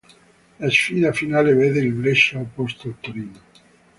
La sfida finale vede il Brescia opposto al Torino.